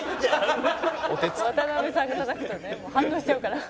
「渡辺さんがたたくとね反応しちゃうから」